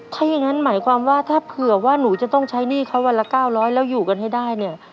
ถ้าอย่างนั้นหมายความว่าถ้าเผื่อว่าหนูจะต้องใช้หนี้เขาวันละ๙๐๐แล้วอยู่กันให้ได้เนี่ย